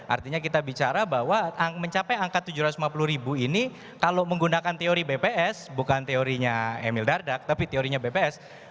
artinya kita bicara bahwa mencapai angka tujuh ratus lima puluh ribu ini kalau menggunakan teori bps bukan teorinya emil dardak tapi teorinya bps